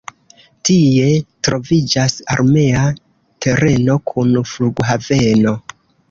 Tie troviĝas armea tereno kun flughaveno.